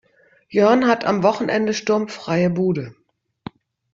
Jörn hat am Wochenende sturmfreie Bude.